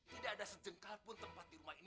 tidak ada sejengkal pun tempat di rumah ini